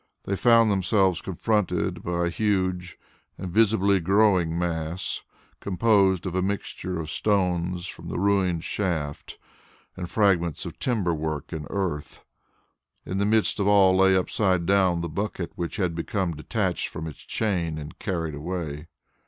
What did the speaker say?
They found themselves confronted by a huge and visibly growing mass, composed of a mixture of stones from the ruined shaft and fragments of timber work and earth. In the midst of all lay upside down, the bucket which had become detached from its chain and carried away.